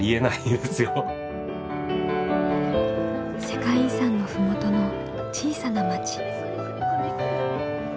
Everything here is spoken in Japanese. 世界遺産の麓の小さな町。